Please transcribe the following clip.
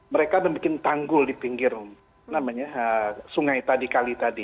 mereka membuat tanggul di pinggir sungai tadi kali tadi